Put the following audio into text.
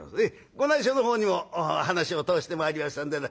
ご内所の方にも話を通してまいりましたんでな」。